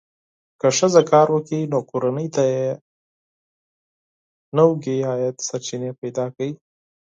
که ښځه کار وکړي، نو کورنۍ ته نوې عاید سرچینې پیدا کوي.